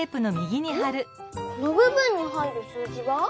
このぶぶんに入る数字は？